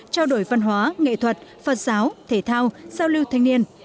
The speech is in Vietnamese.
trao đổi văn hóa nghệ thuật phật giáo thể thao giao lưu thanh niên